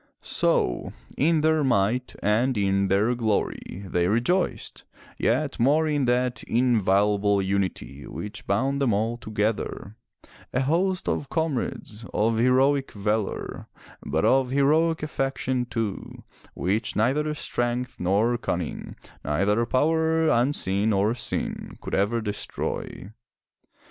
So, in their might and in their glory they rejoiced, yet more in that inviolable unity which bound them all together, a host of comrades, of heroic valor, but of heroic affection, too, which neither strength nor cunning, neither power, unseen nor seen, could ever destroy.